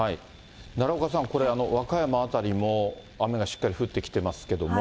奈良岡さん、これ、和歌山辺りも雨がしっかり降ってきていますけれども。